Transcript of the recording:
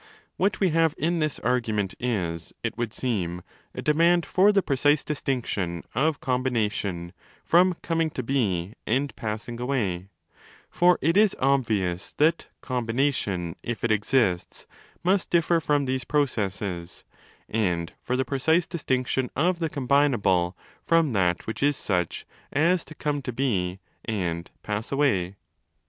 What we have in this argument is, it would seem, a demand for the precise distinction of 'combination' from coming to be and passing away (for it is obvious that ' com bination', if it exists, must differ from these processes) and for the precise distinction of the 'combinable' from that which is such as to come to be and pass away.